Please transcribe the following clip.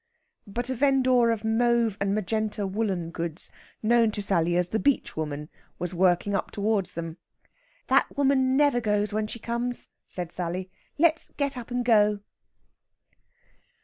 But a vendor of mauve and magenta woollen goods, known to Sally as "the beach woman," was working up towards them. "That woman never goes when she comes," said Sally. "Let's get up and go!"